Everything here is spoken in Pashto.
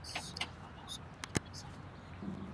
د افغانانو لپاره د زده کړو زمینه محدوده سوې ده.